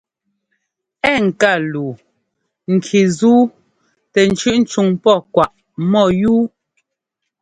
Ɛ́ ŋká luu ŋki zúu tɛ tsʉ́ꞌ cúŋ pɔ́ kwaꞌ mɔ́yúu.